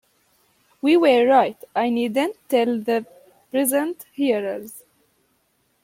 We were right, I needn't tell the present hearers.